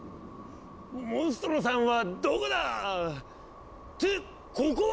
モンストロさんはどこだ⁉ってここは！